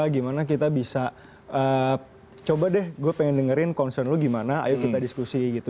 gimana kita bisa coba deh gue pengen dengerin concern lu gimana ayo kita diskusi gitu